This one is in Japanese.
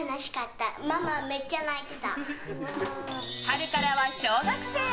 春からは小学生。